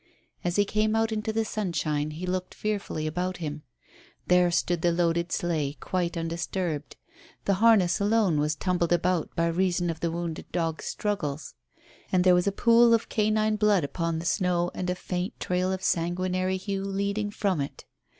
As he came out into the sunshine he looked fearfully about him. There stood the loaded sleigh quite undisturbed. The harness alone was tumbled about by reason of the wounded dog's struggles. And there was a pool of canine blood upon the snow, and a faint trail of sanguinary hue leading from it.